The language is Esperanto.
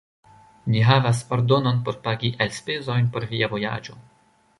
Li havas ordonon por pagi elspezojn por via vojaĝo.